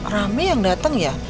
rame yang dateng ya